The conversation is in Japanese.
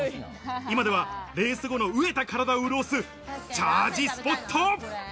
今ではレース後の飢えた体を潤すチャージスポット。